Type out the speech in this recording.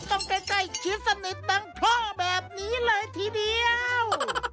ใกล้คิดสนิททั้งพ่อแบบนี้เลยทีเดียว